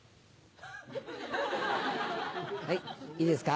はいいいですか？